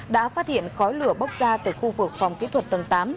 đã phát hiện khói lửa bốc ra từ khu vực phòng kỹ thuật tầng tám